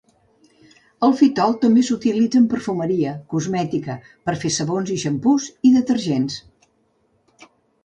El fitol també s'utilitza en perfumeria, cosmètica, per fer sabons i xampús i detergents.